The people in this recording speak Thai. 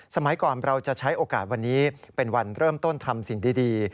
สมัยก่อนเราจะใช้โอกาสวันนี้เป็นวันเริ่มต้นทำสิ่งดี